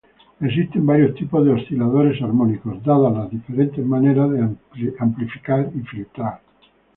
Existen varios tipos de osciladores armónicos, dadas las diferentes maneras de amplificar y filtrar.